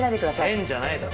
変じゃないだろ。